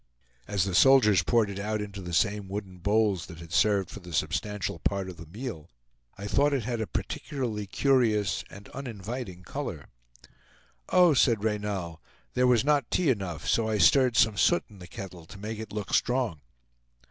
As the soldiers poured it out into the same wooden bowls that had served for the substantial part of the meal, I thought it had a particularly curious and uninviting color. "Oh!" said Reynal, "there was not tea enough, so I stirred some soot in the kettle, to make it look strong."